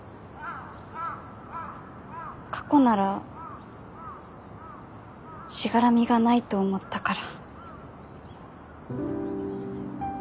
過去ならしがらみがないと思ったから。